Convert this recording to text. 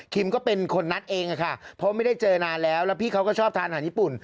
ก็เป็นคนนัดเองค่ะเพราะไม่ได้เจอนานแล้วแล้วพี่เขาก็ชอบทานอาหารญี่ปุ่น